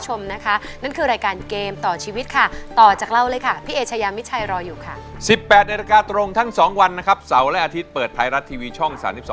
เสาร์และอาทิตย์เปิดไทยรัฐทีวีช่อง๓๒